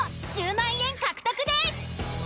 １０万円獲得です。